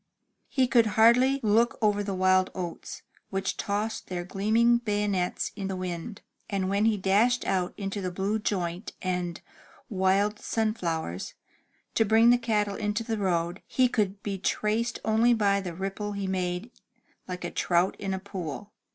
He could hardly look over the wild oats, which tossed their gleaming bayonets in the wind, and when he dashed out into the blue joint and wild sunflowers, to bring the cattle into the road, he could be traced only by the ripple he made, like a trout in a pool.